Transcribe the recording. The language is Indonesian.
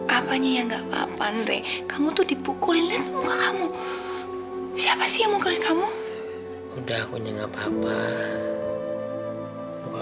apanya yang gak apa apa ndre kamu tuh dipukulin kamu siapa sih mau ke kamu udah aku nggak apa apa